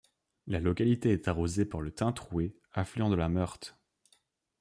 La localité est arrosée par le Taintroué, affluent de la Meurthe.